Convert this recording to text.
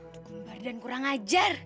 dukun bardhan kurang ajar